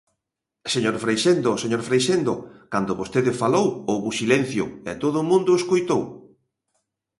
Señor Freixendo, señor Freixendo, cando vostede falou houbo silencio e todo mundo o escoitou.